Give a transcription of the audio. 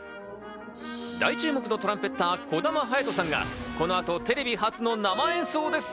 大注目のトランペッター・児玉隼人さんがこの後、テレビ初の生演奏です。